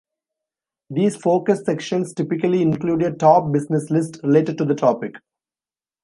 These focus sections typically include a "top business list" related to the topic.